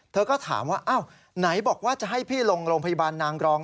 เธอก็ถามว่าอ้าวไหนบอกว่าจะให้พี่ลงโรงพยาบาลนางรอง